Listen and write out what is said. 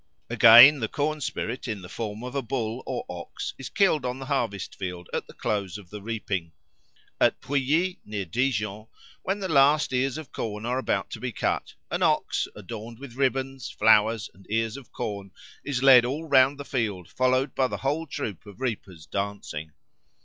Again, the corn spirit in the form of a bull or ox is killed on the harvest field at the close of the reaping. At Pouilly, near Dijon, when the last ears of corn are about to be cut, an ox adorned with ribbons, flowers, and ears of corn is led all round the field, followed by the whole troop of reapers dancing.